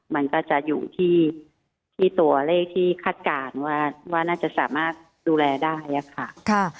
มันก็จะอยู่ที่ตัวเลขที่คาดการณ์ว่าน่าจะสามารถดูแลได้ค่ะ